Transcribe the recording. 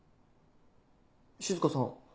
静歌さん